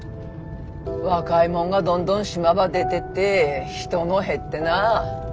若いもんがどんどん島ば出てって人も減ってな。